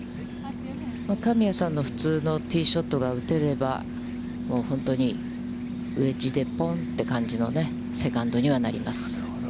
神谷さんの普通のティーショットが打てれば、本当にウェッジでポンという感じのセカンドにはなります。